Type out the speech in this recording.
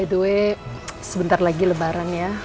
by the way sebentar lagi lebaran ya